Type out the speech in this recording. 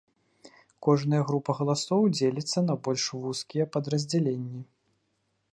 Кожная група галасоў дзеліцца на больш вузкія падраздзяленні.